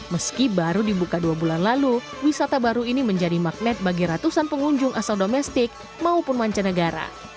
meski baru dibuka dua bulan lalu wisata baru ini menjadi magnet bagi ratusan pengunjung asal domestik maupun mancanegara